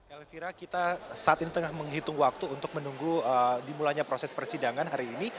elvira kita saat ini tengah menghitung waktu untuk menunggu dimulainya proses persidangan hari ini